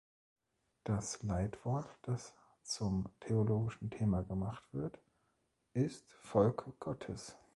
Das Leitwort, das zum theologischen Thema gemacht wird, ist "Volk Gottes".